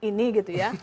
jadi yang ini gitu ya